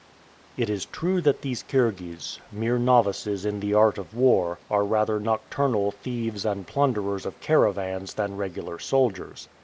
It is true that these Kirghiz, mere novices in the art of war, are rather nocturnal thieves and plunderers of caravans than regular soldiers.